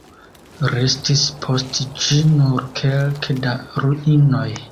Restis post ĝi nur kelke da ruinoj.